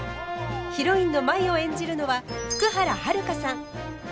ヒロインの舞を演じるのは福原遥さん。